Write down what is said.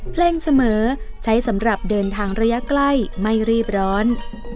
เพลงเสมอใช้สำหรับเดินทางระยะใกล้ไม่รีบร้อน